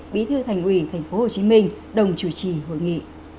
bí thư thành ủy tp hcm đồng chủ trì hội nghị